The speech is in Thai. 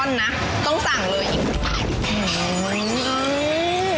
นี่ต้องสั่งเลยอีก